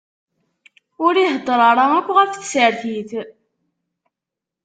Ur iheddeṛ ara akk ɣef tsertit.